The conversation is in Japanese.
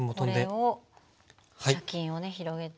これを茶巾をね広げて。